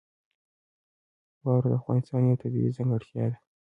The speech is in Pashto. واوره د افغانستان یوه طبیعي ځانګړتیا ده.